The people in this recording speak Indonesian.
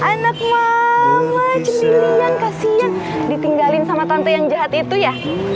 hei anak mama cendilihan kasian ditinggalin sama tante yang jahat itu ya